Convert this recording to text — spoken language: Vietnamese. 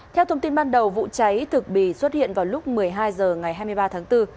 theo thông tin ban đầu vụ cháy thực bì xuất hiện vào lúc một mươi hai h ngày hai mươi ba tháng bốn